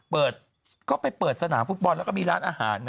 ก็ไปเปิดสนามฟุตบอลแล้วก็มีร้านอาหาร